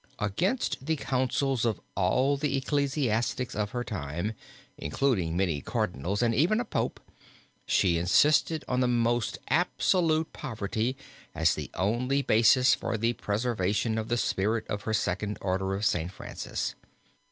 Against the counsels of all the ecclesiastics of her time, including many cardinals and even a Pope, she insisted on the most absolute poverty as the only basis for the preservation of the spirit of her second order of St. Francis.